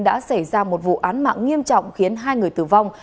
đã xảy ra một vụ án mạng nghiêm trọng khiến hai người tử vong